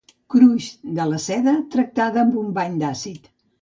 Cruix de la seda tractada amb un bany àcid.